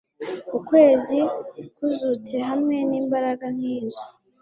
Ukwezi kuzutse hamwe nimbaraga nkizo